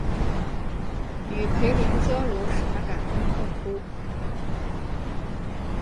与斐琳的交流使他感动痛哭。